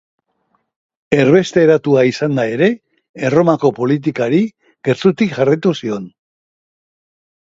Erbesteratua izanda ere, Erromako politikari gertutik jarraitu zion.